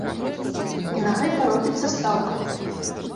І на гэта робіцца стаўка.